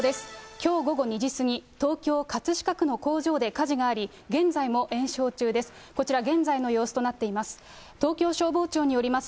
きょう午後２時過ぎ、東京・葛飾区の工場で火事があり、現在も延焼中です。